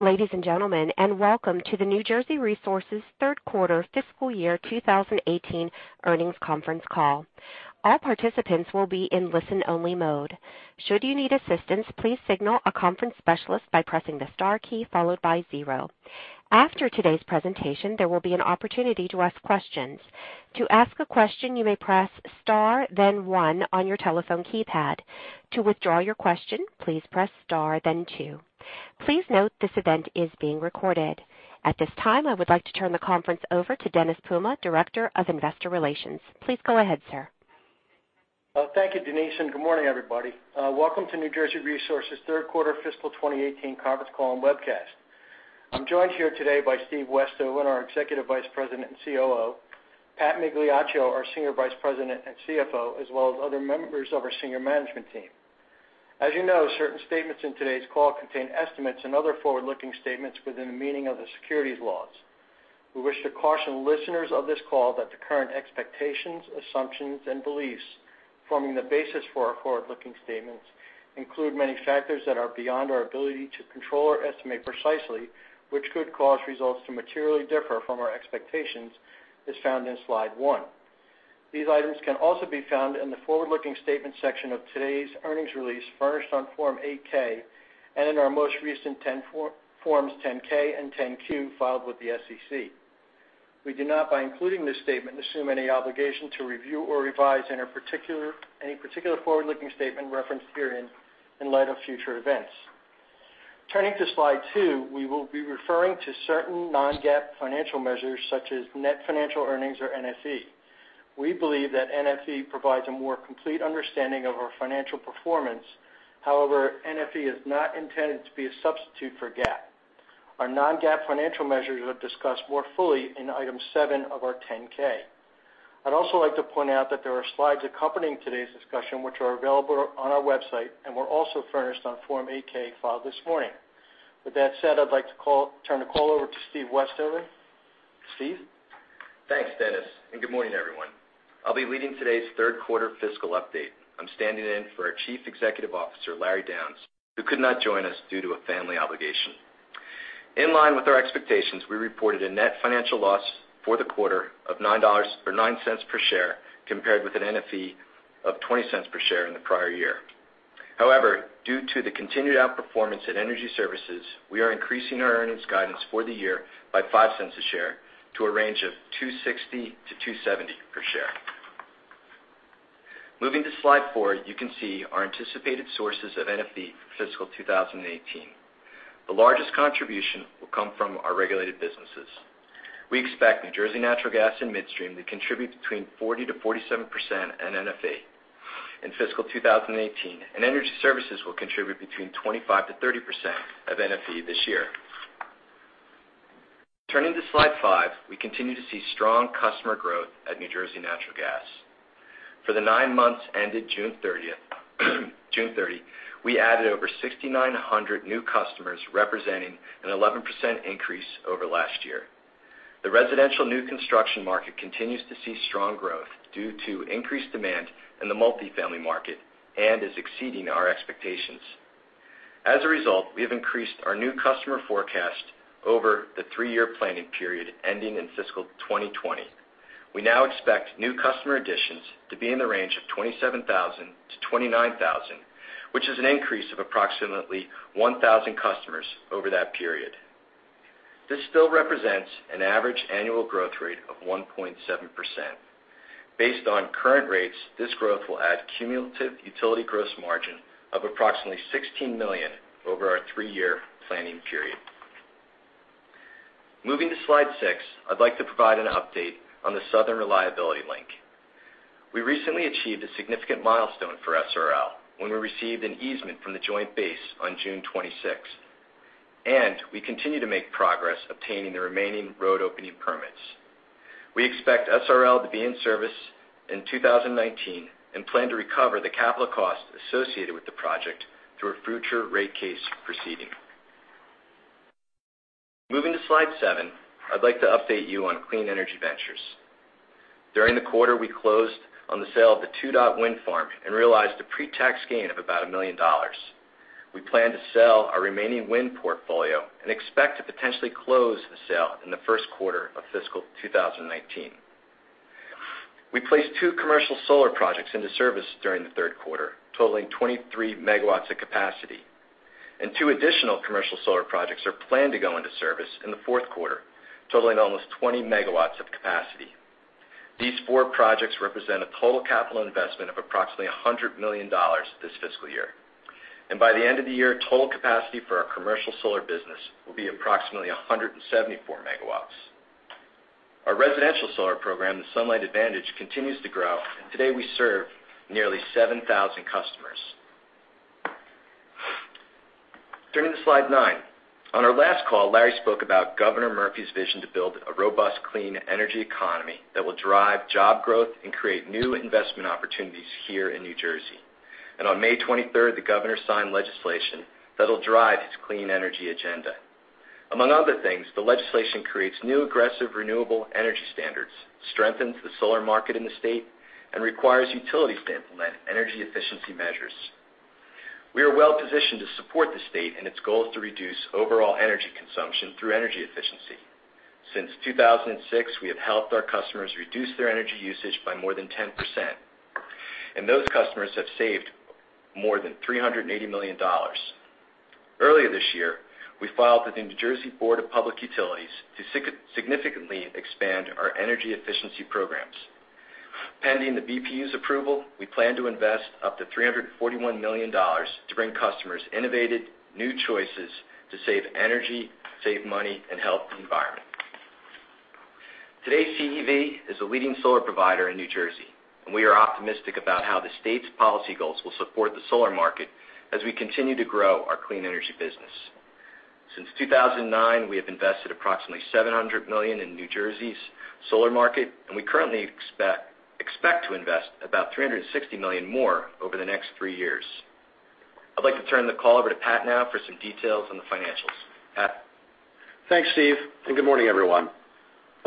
Ladies and gentlemen, welcome to the New Jersey Resources third quarter fiscal year 2018 earnings conference call. All participants will be in listen-only mode. Should you need assistance, please signal a conference specialist by pressing the star key followed by zero. After today's presentation, there will be an opportunity to ask questions. To ask a question, you may press star then one on your telephone keypad. To withdraw your question, please press star then two. Please note this event is being recorded. At this time, I would like to turn the conference over to Dennis Puma, Director of Investor Relations. Please go ahead, sir. Thank you, Denise. Good morning, everybody. Welcome to New Jersey Resources' third quarter fiscal 2018 conference call and webcast. I'm joined here today by Steve Westhoven, our Executive Vice President and COO, Pat Migliaccio, our Senior Vice President and CFO, as well as other members of our senior management team. As you know, certain statements in today's call contain estimates and other forward-looking statements within the meaning of the securities laws. We wish to caution listeners of this call that the current expectations, assumptions, and beliefs forming the basis for our forward-looking statements include many factors that are beyond our ability to control or estimate precisely, which could cause results to materially differ from our expectations, as found in Slide one. These items can also be found in the forward-looking statement section of today's earnings release, furnished on Form 8-K, and in our most recent forms 10-K and 10-Q filed with the SEC. We do not, by including this statement, assume any obligation to review or revise any particular forward-looking statement referenced herein in light of future events. Turning to Slide two, we will be referring to certain non-GAAP financial measures such as net financial earnings, or NFE. We believe that NFE provides a more complete understanding of our financial performance. However, NFE is not intended to be a substitute for GAAP. Our non-GAAP financial measures are discussed more fully in Item seven of our 10-K. I'd also like to point out that there are slides accompanying today's discussion, which are available on our website and were also furnished on Form 8-K filed this morning. With that said, I'd like to turn the call over to Steve Westhoven. Steve? Thanks, Dennis, and good morning, everyone. I'll be leading today's third quarter fiscal update. I'm standing in for our Chief Executive Officer, Larry Downes, who could not join us due to a family obligation. In line with our expectations, we reported a net financial loss for the quarter of $0.09 per share compared with an NFE of $0.20 per share in the prior year. However, due to the continued outperformance at Energy Services, we are increasing our earnings guidance for the year by $0.05 a share to a range of $2.60-$2.70 per share. Moving to Slide 4, you can see our anticipated sources of NFE fiscal 2018. The largest contribution will come from our regulated businesses. We expect New Jersey Natural Gas and Midstream to contribute between 40%-47% in NFE in fiscal 2018, and Energy Services will contribute between 25%-30% of NFE this year. Turning to Slide 5, we continue to see strong customer growth at New Jersey Natural Gas. For the nine months ended June 30, we added over 6,900 new customers, representing an 11% increase over last year. The residential new construction market continues to see strong growth due to increased demand in the multifamily market and is exceeding our expectations. As a result, we have increased our new customer forecast over the three-year planning period ending in fiscal 2020. We now expect new customer additions to be in the range of 27,000-29,000, which is an increase of approximately 1,000 customers over that period. This still represents an average annual growth rate of 1.7%. Based on current rates, this growth will add cumulative utility gross margin of approximately $16 million over our three-year planning period. Moving to Slide 6, I'd like to provide an update on the Southern Reliability Link. We recently achieved a significant milestone for SRL when we received an easement from the joint base on June 26th, and we continue to make progress obtaining the remaining road opening permits. We expect SRL to be in service in 2019 and plan to recover the capital cost associated with the project through a future rate case proceeding. Moving to Slide 7, I'd like to update you on Clean Energy Ventures. During the quarter, we closed on the sale of the Two Dot Wind Farm and realized a pre-tax gain of about $1 million. We plan to sell our remaining wind portfolio and expect to potentially close the sale in the first quarter of fiscal 2019. We placed two commercial solar projects into service during the third quarter, totaling 23 megawatts of capacity. Two additional commercial solar projects are planned to go into service in the fourth quarter, totaling almost 20 megawatts of capacity. These four projects represent a total capital investment of approximately $100 million this fiscal year. By the end of the year, total capacity for our commercial solar business will be approximately 174 megawatts. Our residential solar program, The Sunlight Advantage, continues to grow, and today we serve nearly 7,000 customers. Turning to Slide 9. On our last call, Larry spoke about Governor Murphy's vision to build a robust, clean energy economy that will drive job growth and create new investment opportunities here in New Jersey. On May 23rd, the governor signed legislation that'll drive his clean energy agenda. Among other things, the legislation creates new, aggressive, renewable energy standards, strengthens the solar market in the state, and requires utilities to implement energy efficiency measures. We are well-positioned to support the state in its goal to reduce overall energy consumption through energy efficiency. Since 2006, we have helped our customers reduce their energy usage by more than 10%, and those customers have saved more than $380 million. Earlier this year, we filed with the New Jersey Board of Public Utilities to significantly expand our energy efficiency programs. Pending the BPU's approval, we plan to invest up to $341 million to bring customers innovative new choices to save energy, save money, and help the environment. Today, CEV is a leading solar provider in New Jersey, and we are optimistic about how the state's policy goals will support the solar market as we continue to grow our clean energy business. Since 2009, we have invested approximately $700 million in New Jersey's solar market, and we currently expect to invest about $360 million more over the next three years. I'd like to turn the call over to Pat now for some details on the financials. Pat? Thanks, Steve, and good morning, everyone.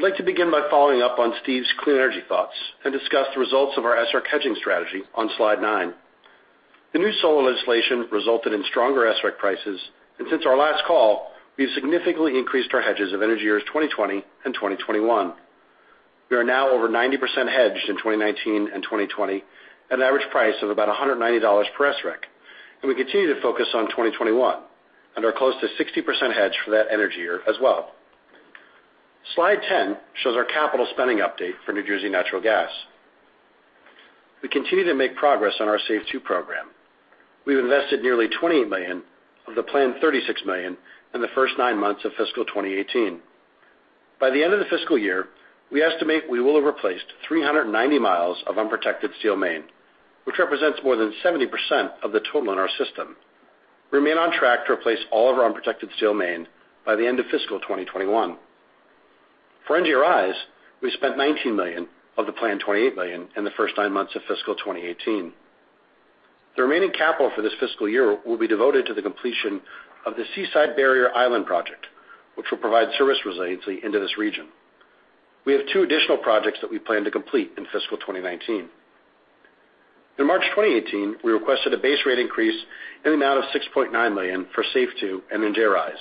I'd like to begin by following up on Steve's clean energy thoughts and discuss the results of our SREC hedging strategy on slide nine. The new solar legislation resulted in stronger SREC prices. Since our last call, we've significantly increased our hedges of energy years 2020 and 2021. We are now over 90% hedged in 2019 and 2020 at an average price of about $190 per SREC. We continue to focus on 2021 and are close to 60% hedged for that energy year as well. Slide 10 shows our capital spending update for New Jersey Natural Gas. We continue to make progress on our SAFE II Program. We've invested nearly $20 million of the planned $36 million in the first nine months of fiscal 2018. By the end of the fiscal year, we estimate we will have replaced 390 miles of unprotected steel main, which represents more than 70% of the total in our system. We remain on track to replace all of our unprotected steel main by the end of fiscal 2021. For NGRI, we spent $19 million of the planned $28 million in the first nine months of fiscal 2018. The remaining capital for this fiscal year will be devoted to the completion of the Seaside Barrier Island project, which will provide service resiliency into this region. We have two additional projects that we plan to complete in fiscal 2019. In March 2018, we requested a base rate increase in the amount of $6.9 million for SAFE II and NGRI.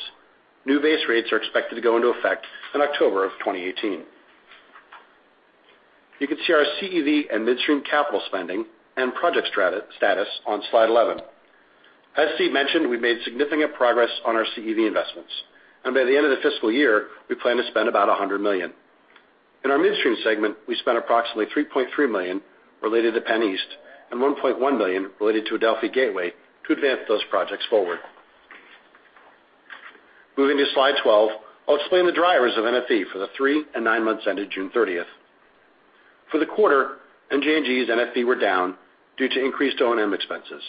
New base rates are expected to go into effect in October of 2018. You can see our CEV and midstream capital spending and project status on slide 11. As Steve mentioned, we made significant progress on our CEV investments, and by the end of the fiscal year, we plan to spend about $100 million. In our midstream segment, we spent approximately $3.3 million related to PennEast and $1.1 million related to Adelphia Gateway to advance those projects forward. Moving to slide 12, I'll explain the drivers of NFE for the three and nine months ended June 30th. For the quarter, NJNG's NFE were down due to increased O&M expenses,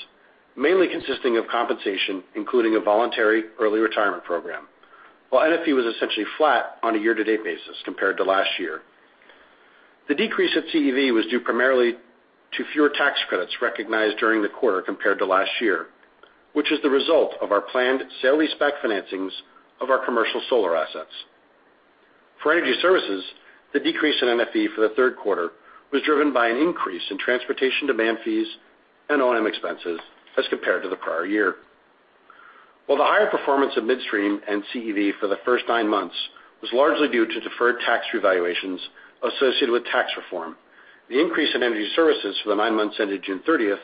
mainly consisting of compensation, including a voluntary early retirement program. While NFE was essentially flat on a year-to-date basis compared to last year. The decrease at CEV was due primarily to fewer tax credits recognized during the quarter compared to last year, which is the result of our planned sale leaseback financings of our commercial solar assets. For Energy Services, the decrease in NFE for the third quarter was driven by an increase in transportation demand fees and O&M expenses as compared to the prior year. While the higher performance of midstream and CEV for the first nine months was largely due to deferred tax revaluations associated with tax reform, the increase in Energy Services for the nine months ended June 30th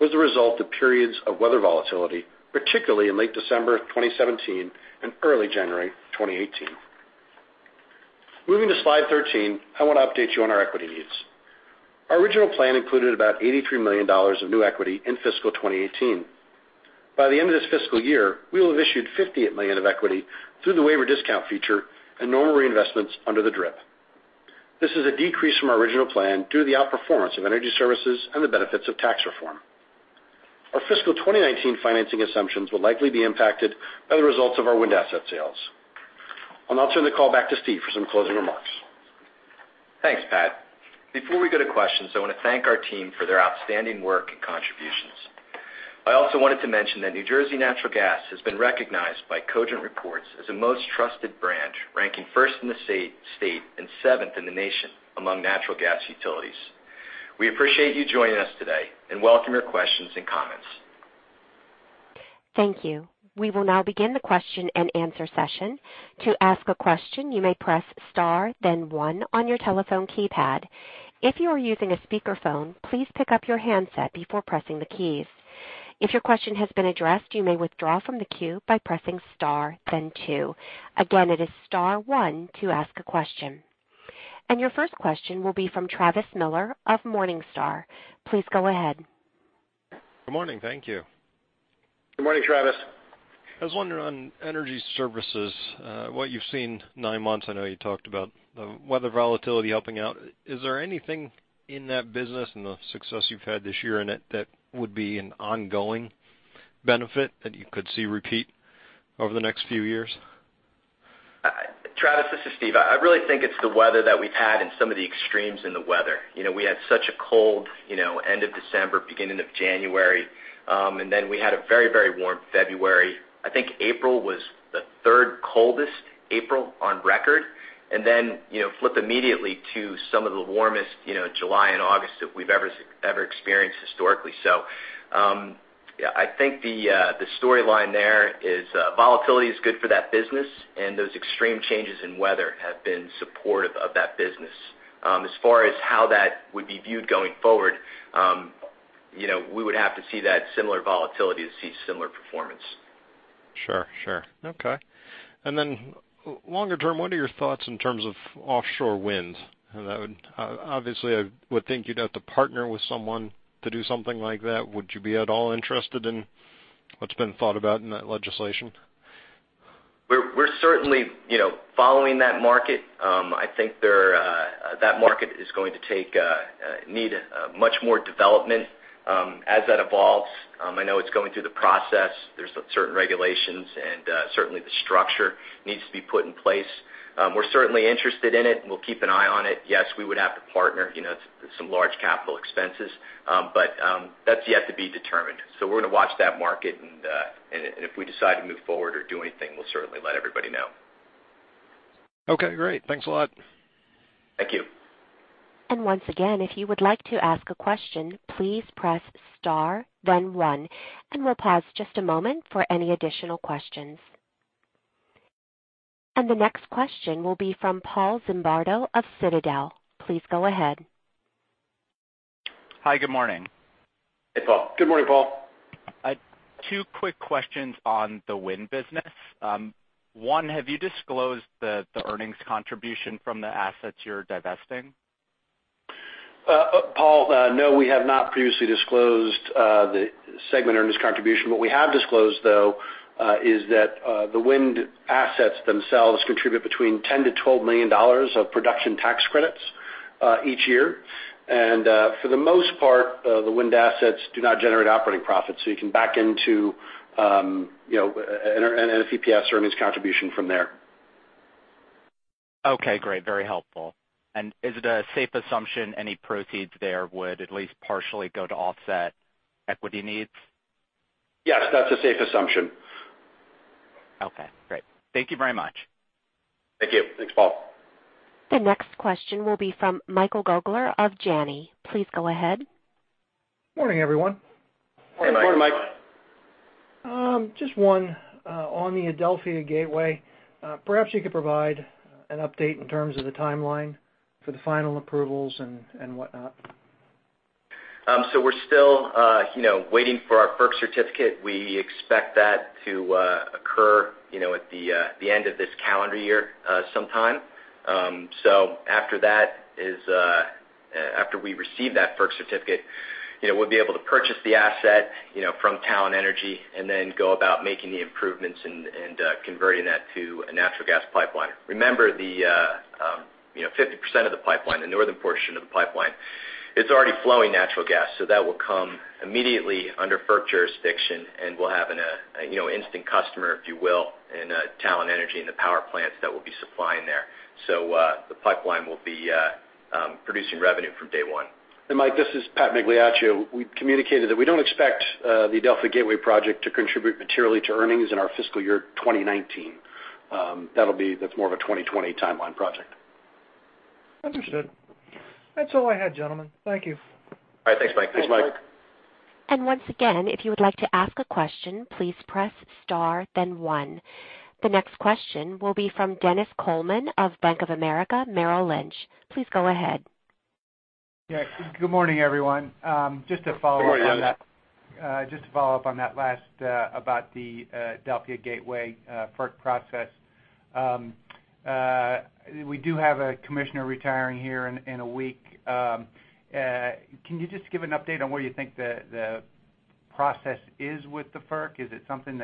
was the result of periods of weather volatility, particularly in late December 2017 and early January 2018. Moving to slide 13, I want to update you on our equity use. Our original plan included about $83 million of new equity in fiscal 2018. By the end of this fiscal year, we will have issued $58 million of equity through the waiver discount feature and normal reinvestments under the DRIP. This is a decrease from our original plan due to the outperformance of Energy Services and the benefits of tax reform. Our fiscal 2019 financing assumptions will likely be impacted by the results of our wind asset sales. I'll now turn the call back to Steve for some closing remarks. Thanks, Pat. Before we go to questions, I want to thank our team for their outstanding work and contributions. I also wanted to mention that New Jersey Natural Gas has been recognized by Cogent Reports as a most trusted brand, ranking first in the state and seventh in the nation among natural gas utilities. We appreciate you joining us today and welcome your questions and comments. Thank you. We will now begin the question-and-answer session. To ask a question, you may press star then one on your telephone keypad. If you are using a speakerphone, please pick up your handset before pressing the keys. If your question has been addressed, you may withdraw from the queue by pressing star then two. Again, it is star one to ask a question. Your first question will be from Travis Miller of Morningstar. Please go ahead. Good morning. Thank you. Good morning, Travis. I was wondering on Energy Services, what you've seen nine months, I know you talked about the weather volatility helping out. Is there anything in that business and the success you've had this year in it that would be an ongoing benefit that you could see repeat over the next few years? Travis, this is Steve. I really think it's the weather that we've had and some of the extremes in the weather. We had such a cold end of December, beginning of January, and then we had a very warm February. I think April was the third coldest April on record. Then flip immediately to some of the warmest July and August that we've ever experienced historically. I think the storyline there is volatility is good for that business, and those extreme changes in weather have been supportive of that business. As far as how that would be viewed going forward, we would have to see that similar volatility to see similar performance. Sure. Okay. Longer term, what are your thoughts in terms of offshore wind? Obviously, I would think you'd have to partner with someone to do something like that. Would you be at all interested in what's been thought about in that legislation? We're certainly following that market. I think that market is going to need much more development. As that evolves, I know it's going through the process. There's certain regulations, and certainly the structure needs to be put in place. We're certainly interested in it, and we'll keep an eye on it. Yes, we would have to partner. It's some large capital expenses. That's yet to be determined. We're going to watch that market, and if we decide to move forward or do anything, we'll certainly let everybody know. Okay, great. Thanks a lot. Thank you. Once again, if you would like to ask a question, please press star then one. We'll pause just a moment for any additional questions. The next question will be from Paul Zimbardo of Citadel. Please go ahead. Hi, good morning. Hey, Paul. Good morning, Paul. Two quick questions on the wind business. One, have you disclosed the earnings contribution from the assets you're divesting? Paul, no, we have not previously disclosed the segment earnings contribution. What we have disclosed, though, is that the wind assets themselves contribute between $10 million-$12 million of Production Tax Credit each year. For the most part, the wind assets do not generate operating profits. You can back into an EPS earnings contribution from there. Okay, great. Very helpful. Is it a safe assumption any proceeds there would at least partially go to offset equity needs? Yes, that's a safe assumption. Okay, great. Thank you very much. Thank you. Thanks, Paul. The next question will be from Michael Gaugler of Janney. Please go ahead. Morning, everyone. Morning, Mike. Hey, Mike. Just one on the Adelphia Gateway. Perhaps you could provide an update in terms of the timeline for the final approvals and whatnot. We're still waiting for our FERC certificate. We expect that to occur at the end of this calendar year sometime. After we receive that FERC certificate, we'll be able to purchase the asset from Talen Energy and then go about making the improvements and converting that to a natural gas pipeline. Remember, the 50% of the pipeline, the northern portion of the pipeline, it's already flowing natural gas. That will come immediately under FERC jurisdiction, and we'll have an instant customer, if you will, in Talen Energy and the power plants that we'll be supplying there. The pipeline will be producing revenue from day one. Mike, this is Pat Migliaccio. We've communicated that we don't expect the Adelphia Gateway Project to contribute materially to earnings in our fiscal year 2019. That's more of a 2020 timeline project. Understood. That's all I had, gentlemen. Thank you. All right. Thanks, Mike. Thanks, Mike. Once again, if you would like to ask a question, please press star then one. The next question will be from Dennis Coleman of Bank of America Merrill Lynch. Please go ahead. Yeah. Good morning, everyone. Good morning, Dennis. Just to follow up on that last about the Adelphia Gateway FERC process. We do have a commissioner retiring here in a week. Can you just give an update on where you think the process is with the FERC? Is it something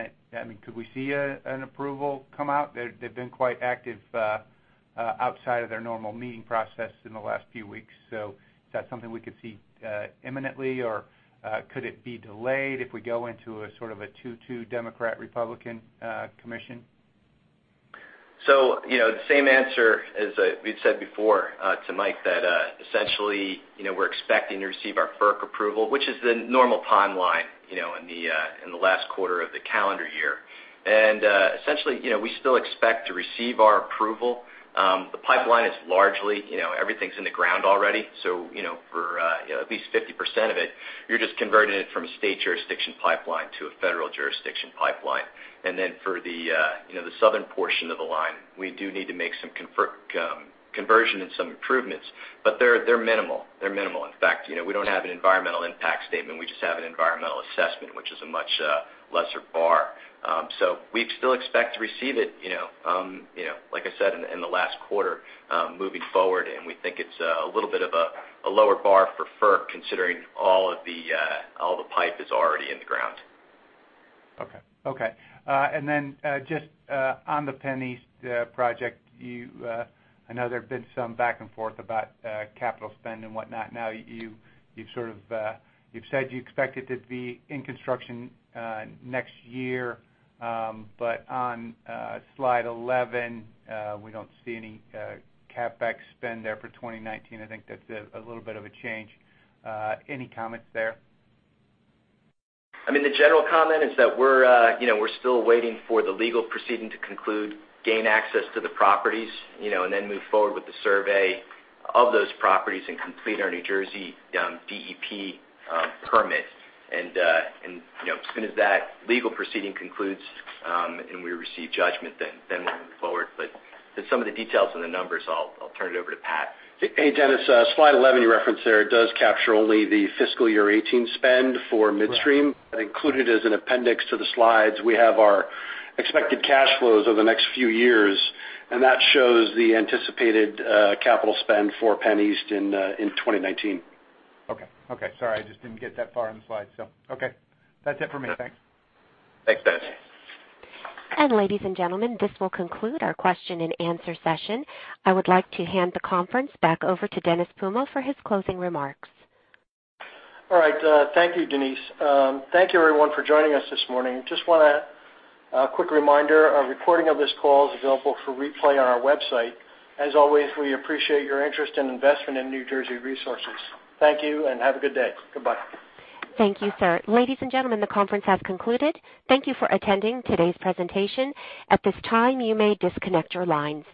could we see an approval come out? They've been quite active outside of their normal meeting process in the last few weeks. Is that something we could see imminently, or could it be delayed if we go into a sort of a two-two Democrat-Republican commission? The same answer as we've said before to Mike, that essentially, we're expecting to receive our FERC approval, which is the normal timeline in the last quarter of the calendar year. Essentially, we still expect to receive our approval. The pipeline is everything's in the ground already. For at least 50% of it, you're just converting it from a state jurisdiction pipeline to a federal jurisdiction pipeline. For the southern portion of the line, we do need to make some conversion and some improvements, but they're minimal. In fact, we don't have an Environmental Impact Statement. We just have an Environmental Assessment, which is a much lesser bar. We still expect to receive it, like I said, in the last quarter moving forward, and we think it's a little bit of a lower bar for FERC, considering all the pipe is already in the ground. Okay. Just on the PennEast Pipeline, I know there have been some back and forth about capital spend and whatnot. Now you've said you expect it to be in construction next year. On slide 11, we don't see any CapEx spend there for 2019. I think that's a little bit of a change. Any comments there? The general comment is that we're still waiting for the legal proceeding to conclude, gain access to the properties, then move forward with the survey of those properties and complete our New Jersey DEP permit. As soon as that legal proceeding concludes, and we receive judgment, then we'll move forward. Some of the details and the numbers, I'll turn it over to Pat. Hey, Dennis. Slide 11 you referenced there, it does capture only the FY 2018 spend for midstream. Right. Included as an appendix to the slides, we have our expected cash flows over the next few years, and that shows the anticipated capital spend for PennEast in 2019. Okay. Sorry, I just didn't get that far in the slides. Okay. That's it for me. Thanks. Thanks, Dennis. Ladies and gentlemen, this will conclude our question and answer session. I would like to hand the conference back over to Dennis Puma for his closing remarks. All right. Thank you, Denise. Thank you, everyone for joining us this morning. Just want a quick reminder. A recording of this call is available for replay on our website. As always, we appreciate your interest and investment in New Jersey Resources. Thank you, and have a good day. Goodbye. Thank you, sir. Ladies and gentlemen, the conference has concluded. Thank you for attending today's presentation. At this time, you may disconnect your lines.